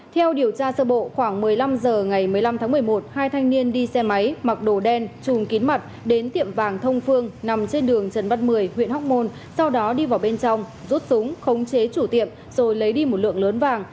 theo điều tra sơ bộ khoảng một mươi năm h ngày một mươi năm tháng một mươi một hai thanh niên đi xe máy mặc đồ đen chùm kín mặt đến tiệm vàng thông phương nằm trên đường trần văn mười huyện hóc môn sau đó đi vào bên trong rút súng khống chế chủ tiệm rồi lấy đi một lượng lớn vàng